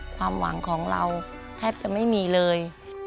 ความหวังของเราแทบจะไม่มีเลย